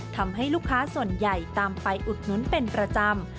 ทำให้ลูกค้าส่วนใหญ่ตามไปอุดหนุนเป็นประจำ